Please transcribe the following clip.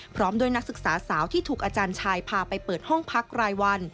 พร้อมด้วยนักศึกษาสาวที่ถูกอาจารย์ชายพาไปเปิดห้องพักรายวัน